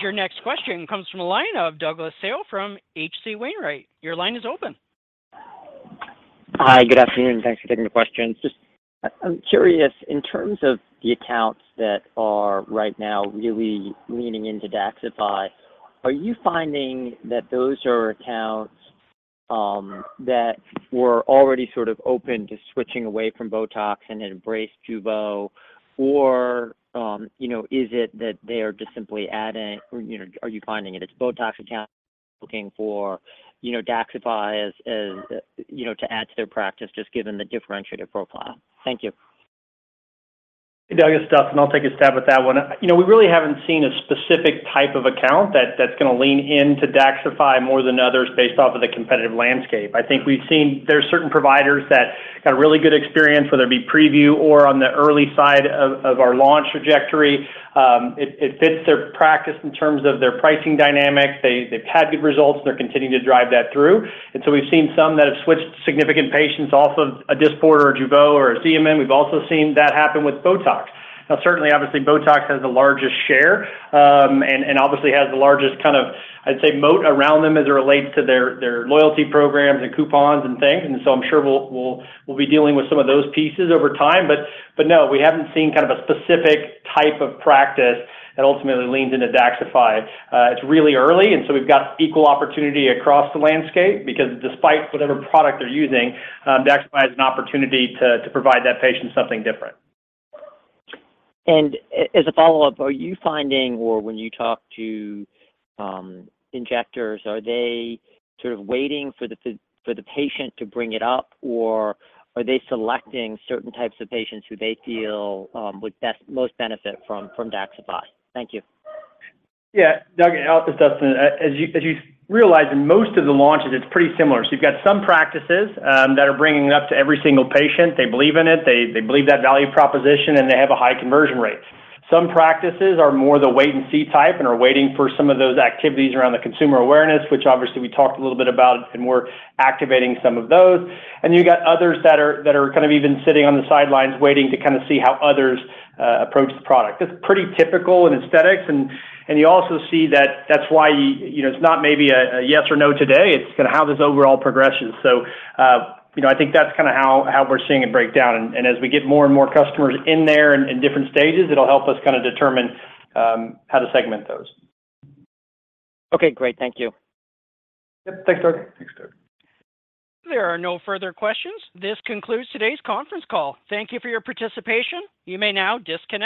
Your next question comes from the line of Douglas Tsao from H.C. Wainwright. Your line is open. Hi, good afternoon. Thanks for taking the questions. Just, I'm curious, in terms of the accounts that are right now really leaning into Daxxify, are you finding that those are accounts that were already sort of open to switching away from Botox and embrace Jeuveau? You know, is it that they are just simply adding? You know, are you finding it it's Botox account looking for, you know, Daxxify as, as, you know, to add to their practice, just given the differentiated profile? Thank you. Hey, Douglas, Dustin, and I'll take a stab at that one. You know, we really haven't seen a specific type of account that, that's gonna lean in to Daxxify more than others based off of the competitive landscape. I think we've seen there are certain providers that got a really good experience, whether it be preview or on the early side of, of our launch trajectory. It, it fits their practice in terms of their pricing dynamics. They, they've had good results, and they're continuing to drive that through. We've seen some that have switched significant patients off of a Dysport or a Jeuveau or a Xeomin. We've also seen that happen with Botox. Certainly, obviously, Botox has the largest share, and, and obviously has the largest kind of, I'd say, moat around them as it relates to their, their loyalty programs and coupons and things. I'm sure we'll, we'll, we'll be dealing with some of those pieces over time, but no, we haven't seen kind of a specific type of practice that ultimately leans into Daxxify. It's really early, we've got equal opportunity across the landscape, because despite whatever product they're using, Daxxify has an opportunity to, to provide that patient something different. As a follow-up, are you finding or when you talk to injectors, are they sort of waiting for the patient to bring it up, or are they selecting certain types of patients who they feel would most benefit from, from Daxxify? Thank you. Yeah, Doug, this is Dustin. As you, as you realize, in most of the launches, it's pretty similar. You've got some practices that are bringing it up to every single patient. They believe in it, they, they believe that value proposition, and they have a high conversion rate. Some practices are more the wait-and-see type and are waiting for some of those activities around the consumer awareness, which obviously we talked a little bit about, and we're activating some of those. You got others that are, that are kind of even sitting on the sidelines, waiting to kinda see how others approach the product. It's pretty typical in aesthetics, and, and you also see that, that's why, you know, it's not maybe a, a yes or no today, it's kinda how this overall progresses. you know, I think that's kinda how, how we're seeing it break down. And as we get more and more customers in there and in different stages, it'll help us kinda determine, how to segment those. Okay, great. Thank you. Yep. Thanks, Doug. There are no further questions. This concludes today's conference call. Thank you for your participation. You may now disconnect.